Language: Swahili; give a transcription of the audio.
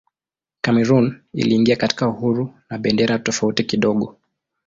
Kamerun iliingia katika uhuru na bendera tofauti kidogo.